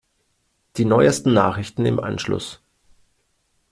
Die neusten Nachrichten im Anschluss.